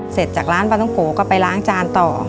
เสร็จจากร้านปลาท้องโกก็ไปล้างจานต่อ